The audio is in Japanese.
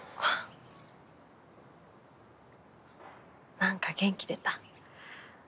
なんか元気出た。